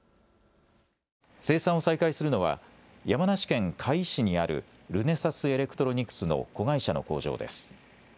生産を再開するのは山梨県甲斐市にあるルネサスエレクトロニクスの子会社の工場です。